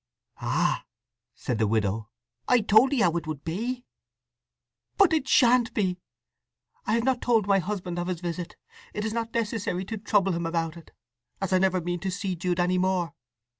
"Ah!" said the widow. "I told 'ee how 'twould be!" "But it shan't be! I have not told my husband of his visit; it is not necessary to trouble him about it, as I never mean to see Jude any more.